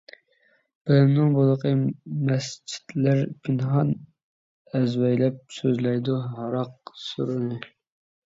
بىلىمنىڭ بۇلىقى-مەسچىتلەر پىنھان، ئەزۋەيلەپ سۆزلەيدۇ ھاراق سورۇنى.